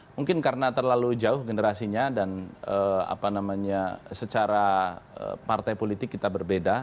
mungkin karena terlalu jauh generasinya dan secara partai politik kita berbeda